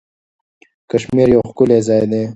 کشمیر یو ښکلی ځای دی.